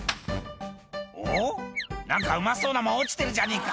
「おっ何かうまそうなもん落ちてるじゃねえか」